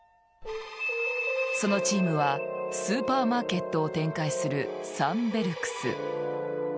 そのチームはスーパーマーケットを展開するサンベルクス。